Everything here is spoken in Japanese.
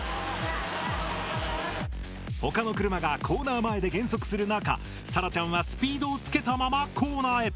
他の車がコーナー前で減速する中さらちゃんはスピードをつけたままコーナーへ。